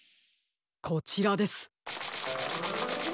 こちらです。